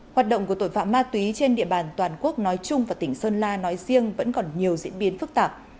hoạt động của tội phạm ma túy trên địa bàn toàn quốc nói chung và tỉnh sơn la nói riêng vẫn còn nhiều diễn biến phức tạp